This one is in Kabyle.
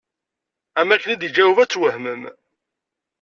Am akken i d-iğaweb ad twehmem.